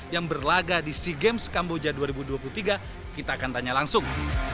yang berlaga di sea games kamboja dua ribu dua puluh tiga kita akan tanya langsung